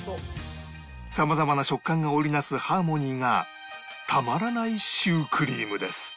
さまざまな食感が織り成すハーモニーがたまらないシュークリームです